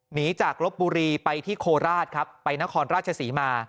หนีจากลบบุรีไปที่โคราชครับไปนครราชศรีมา